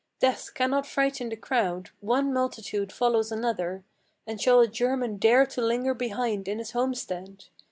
Death cannot frighten the crowd: one multitude follows another. And shall a German dare to linger behind in his homestead?